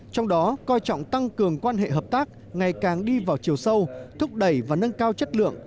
trong đó coi trọng tăng cường quan hệ hợp tác ngày càng đi vào chiều sâu thúc đẩy và nâng cao chất lượng